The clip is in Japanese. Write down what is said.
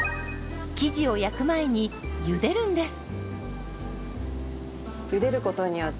生地を焼く前にゆでるんです。